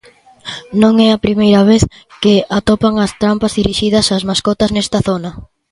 Non é a primeira vez que atopan trampas dirixidas ás mascotas nesta zona.